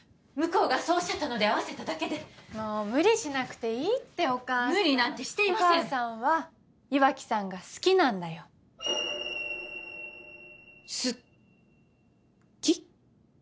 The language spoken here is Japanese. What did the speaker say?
向こうがそうおっしゃったので合わせただけで無理しなくていいってお母さん無理なんてしていませんお母さんは岩城さんが好きなんだよすき？